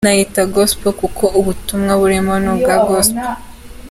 Nayita Gospel kuko ubutumwa burimo ni ubwa Gospel.